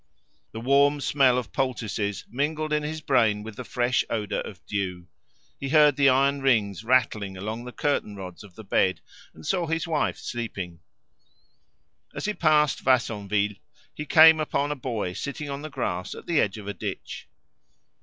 The warm smell of poultices mingled in his brain with the fresh odour of dew; he heard the iron rings rattling along the curtain rods of the bed and saw his wife sleeping. As he passed Vassonville he came upon a boy sitting on the grass at the edge of a ditch.